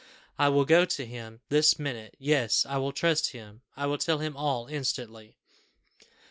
I will go to him this minute; yes, I will trust him I will tell him all instantly."